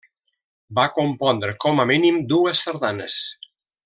Va compondre com a mínim dues sardanes.